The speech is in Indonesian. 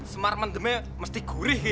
semar mendeme mesti gurih ki